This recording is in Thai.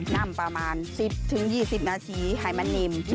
นำประมาณ๑๐๒๐นาทีไฮมันนิม